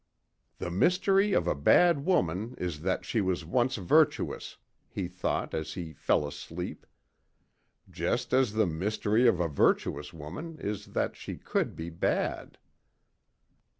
"The mystery of a bad woman is that she was once virtuous," he thought as he fell asleep. "Just as the mystery of a virtuous woman is that she could be bad."